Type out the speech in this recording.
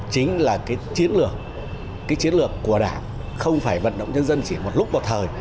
chính là cái chiến lược cái chiến lược của đảng không phải vận động nhân dân chỉ một lúc một thời